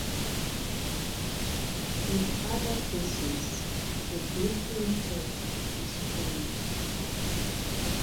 In other cases, the briefing text is shown.